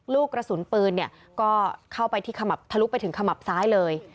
ลูกกระสุนปืนก็ทะลุไปถึงขมับซ้ายเลย